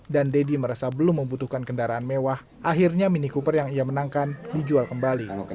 dan deddy merasa belum membutuhkan kendaraan mewah akhirnya mini cooper yang ia menangkan dijual kembali